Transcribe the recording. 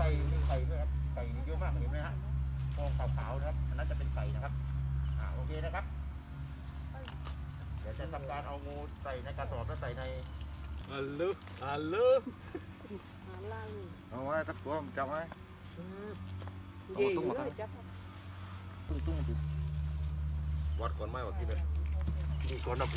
ไข่ดีดีี่ยู่อมากมันอยู่ดีนะครับ